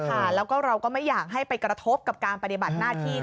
ค่ะแล้วก็เราก็ไม่อยากให้ไปกระทบกับการปฏิบัติหน้าที่